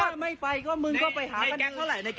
ใดแก่นก่อไหนดี